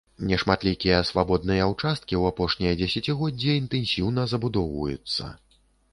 Нешматлікія свабодныя ўчасткі ў апошняе дзесяцігоддзе інтэнсіўна забудоўваюцца.